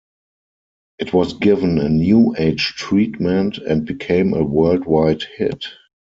It was given a New Age treatment and became a worldwide hit.